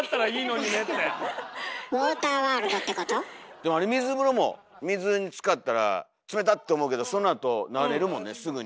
でもあれ水風呂も水につかったら「冷た！」って思うけどそのあと慣れるもんねすぐに。